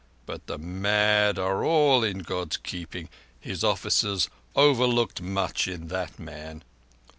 But the mad all are in God's keeping. His officers overlooked much in that man."